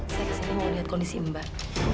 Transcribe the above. saya kasih lo mau lihat kondisi mbak